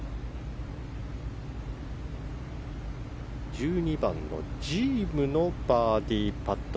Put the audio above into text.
１２番のジームのバーディーパット。